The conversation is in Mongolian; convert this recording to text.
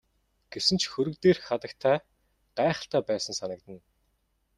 Гэсэн ч хөрөг дээрх хатагтай гайхалтай байсан санагдана.